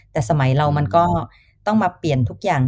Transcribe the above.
แต่สมัยเรามันก็ต้องมาเปลี่ยนทุกอย่าง